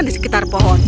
dan di sekitar pohon